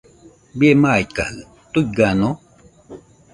Bie maikajɨ¿tuigano?